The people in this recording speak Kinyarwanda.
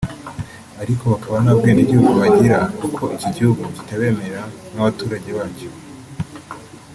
ariko bakaba nta bwenegihugu bagira kuko iki gihugu kitabemera nk’abaturage bacyo